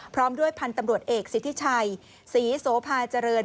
พร้อมด้วยพันธุ์ตำรวจเอกสิทธิชัยศรีโสภาเจริญ